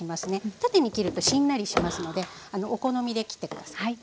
縦に切るとしんなりしますのでお好みで切って下さい。